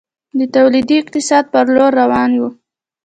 د تولیدي اقتصاد په لور روان یو؟